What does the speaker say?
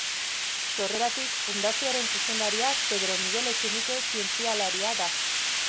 Sorreratik fundazioaren zuzendaria Pedro Migel Etxenike zientzialaria da.